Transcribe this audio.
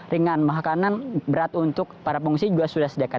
ringan makanan berat untuk para pengungsi juga sudah sedekat